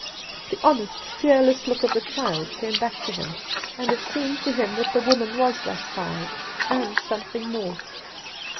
The honest, fearless look of the child came back to him, and it seemed to him that the woman was that child — and something more.